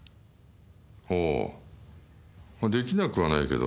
ほう出来なくはないけど。